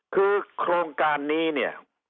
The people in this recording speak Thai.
คือโครงการนี้